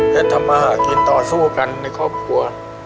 และทำมาหากินต่อสู้กันในครอบครัว